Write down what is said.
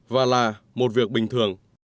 và là một việc bình thường